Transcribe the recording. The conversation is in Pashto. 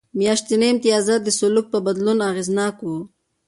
میاشتني امتیازات د سلوک په بدلون کې اغېزناک و.